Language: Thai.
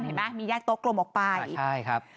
เห็นไหมมีแยกโต๊ะกลมออกไปใช่ครับ